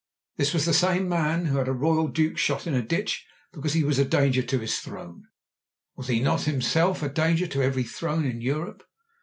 This was the same man who had a royal duke shot in a ditch because he was a danger to his throne. Was not he himself a danger to every throne in Europe?